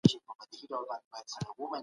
هغوی د بېوزلو خلګو له پاره پيسې ټولولي.